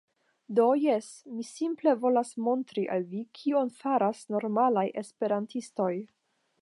Do, jes mi simple volas montri al vi kion faras normalaj esperantistoj